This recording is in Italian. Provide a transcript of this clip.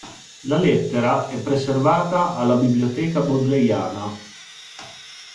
La lettera è preservata alla Biblioteca Bodleiana.